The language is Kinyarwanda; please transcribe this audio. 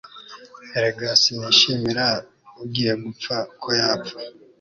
Erega sinishimira ugiye gupfa ko yapfa